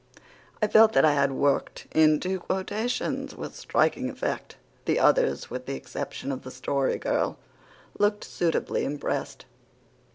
I felt that I had worked in two quotations with striking effect. The others, with the exception of the Story Girl, looked suitably impressed.